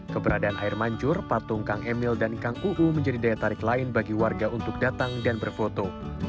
keberadaan air mancur patung kang emil dan kang uu menjadi daya tarik lain bagi warga untuk datang dan berfoto